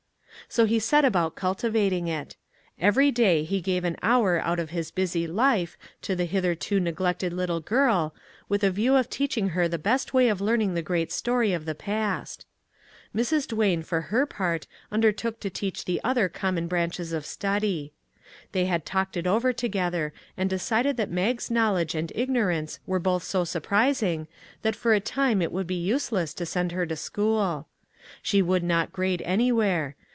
So he set about cultivating it; every day he gave an hour out of his busy life to the hitherto neglected little girl, with a view to teaching her the best way of learning the great story of the past. Mrs. Duane for her part undertook to teach the other common branches of study. They had talked it over together and decided that Mag's knowledge and ignorance were both so surprising that for a time it would be use less to send her to school. She would not grade anywhere.